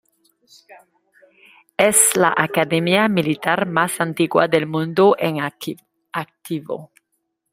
Es la Academia militar más antigua del mundo en activo.